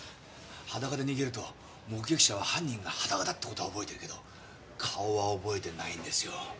裸で逃げると目撃者は犯人が裸だって事は覚えてるけど顔は覚えてないんですよ。